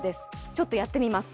ちょっとやってみます。